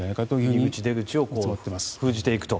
入り口と出口を封じていくと。